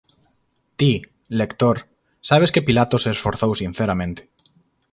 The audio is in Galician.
Ti, lector, sabes que Pilatos se esforzou sinceramente.